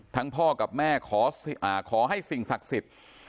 ทั้งพ่อกับแม่ขออ่าขอให้สิ่งศักดิ์สิทธิ์